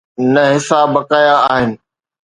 نه حصا بقايا آهن.